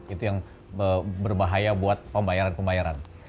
itu yang berbahaya buat pembayaran pembayaran